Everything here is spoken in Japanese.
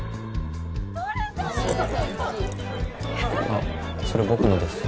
あっそれ僕のです